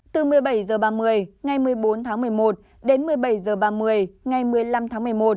từ một mươi bảy h ba mươi ngày một mươi bốn tháng một mươi một đến một mươi bảy h ba mươi ngày một mươi năm tháng một mươi một